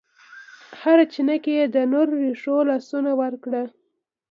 هره چینه کې یې د نور رېښو لاسونه وکړه